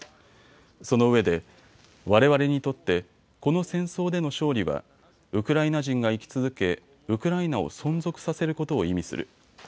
そのうえで、われわれにとってこの戦争での勝利はウクライナ人が生き続けウクライナを存続させることを意味する。